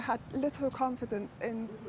saya tidak memiliki kepercayaan